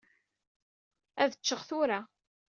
Ad ččeɣ tura.